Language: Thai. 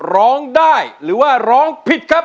ร้องได้หรือว่าร้องผิดครับ